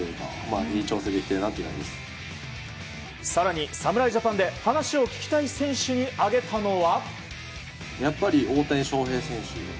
更に、侍ジャパンで話を聞きたい選手に挙げたのは。